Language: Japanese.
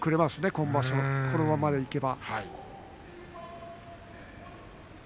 今場所、このままでいけば。